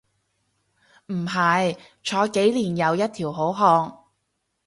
唔係，坐幾年又一條好漢